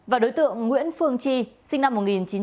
và đối tượng nguyễn phương tri sinh năm một nghìn chín trăm tám mươi bảy